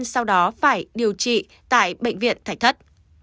sau đó phải điều trị tại bệnh viện thạch thất